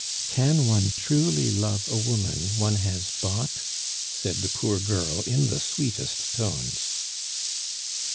"Can one truly love a woman one has bought?" said the poor girl in the sweetest tones.